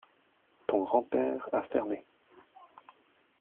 Ton grand-père a fermé.